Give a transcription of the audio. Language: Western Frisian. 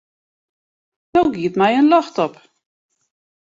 No giet my in ljocht op.